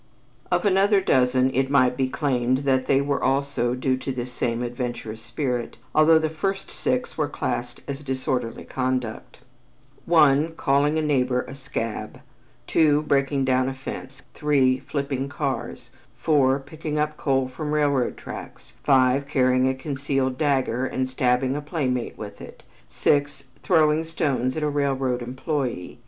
Of another dozen it might be claimed that they were also due to this same adventurous spirit, although the first six were classed as disorderly conduct: (1) Calling a neighbor a "scab"; (2) breaking down a fence; (3) flipping cars; (4) picking up coal from railroad tracks; (5) carrying a concealed "dagger," and stabbing a playmate with it; (6) throwing stones at a railroad employee.